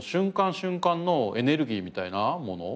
瞬間のエネルギーみたいなもの。